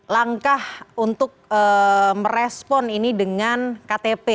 langkah untuk merespon ini dengan ktp